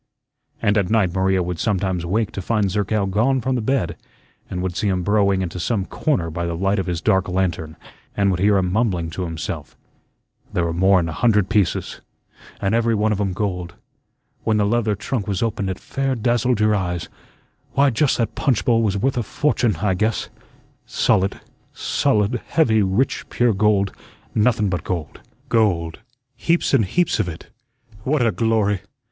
And at night Maria would sometimes wake to find Zerkow gone from the bed, and would see him burrowing into some corner by the light of his dark lantern and would hear him mumbling to himself: "There were more'n a hundred pieces, and every one of 'em gold when the leather trunk was opened it fair dazzled your eyes why, just that punchbowl was worth a fortune, I guess; solid, solid, heavy, rich, pure gold, nothun but gold, gold, heaps and heaps of it what a glory!